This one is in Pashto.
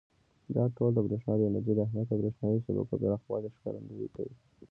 دا ټول د برېښنا د انرژۍ د اهمیت او برېښنایي شبکو پراخوالي ښکارندويي کوي.